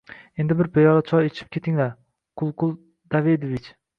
– Endi bir piyola choy ichib ketinglar, Qulqul Davedivich